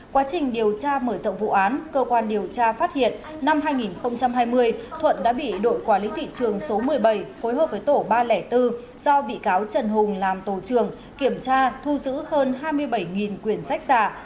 quá trình điều tra mở rộng vụ án cơ quan điều tra phát hiện năm hai nghìn hai mươi thuận đã bị đội quản lý thị trường số một mươi bảy phối hợp với tổ ba trăm linh bốn do bị cáo trần hùng làm tổ trường kiểm tra thu giữ hơn hai mươi bảy quyền sách giả